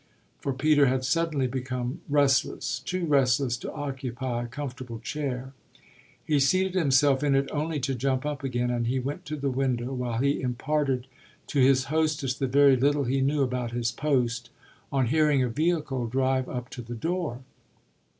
For Peter had suddenly become restless too restless to occupy a comfortable chair; he seated himself in it only to jump up again, and he went to the window, while he imparted to his hostess the very little he knew about his post, on hearing a vehicle drive up to the door.